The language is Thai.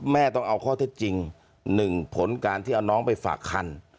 แม่ต้องเอาข้อเท็จจริง๑ผลการที่เอาน้องไปฝากคัน